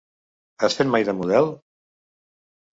Has fet mai de model?